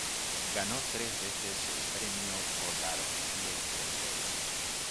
Ganó tres veces el Premio Goddard y el Tremblay.